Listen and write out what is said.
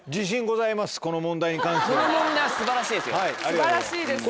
素晴らしいです。